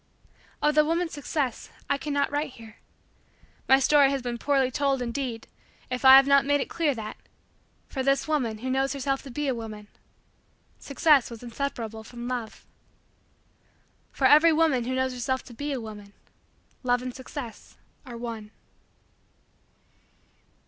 Of the woman's success, I cannot write here. My story has been poorly told, indeed, if I have not made it clear that, for this woman who knew herself to be a woman, Success was inseparable from Love. For every woman who knows herself to be a woman, Love and Success are one.